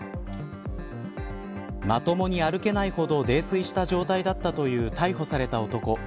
まともに歩けないほど泥酔した状態だったという逮捕された男。